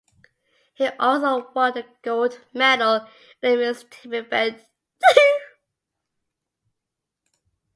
He also won the gold medal in the mixed team event.